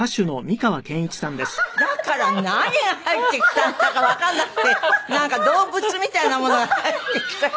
だから何が入ってきたんだかわかんなくてなんか動物みたいなものが入ってきたかってねえ。